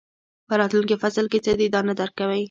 په راتلونکي فصل کې څه دي دا نه درک کوئ.